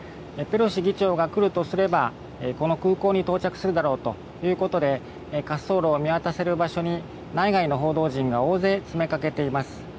ペロシ議長が来るとすればこの空港に到着するだろうということで滑走路を見渡せる場所に内外の報道陣が大勢詰めかけています。